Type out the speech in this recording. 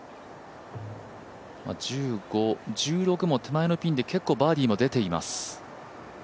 １５、１６も手前のピンで結構バーディーも出ています。